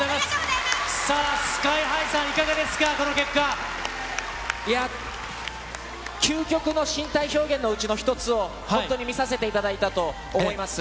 さあＳＫＹーＨＩさん、いや、究極の身体表現のうちの一つを本当に見させていただいたと思います。